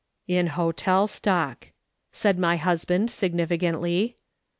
" In hotel stock," said my husband significantly.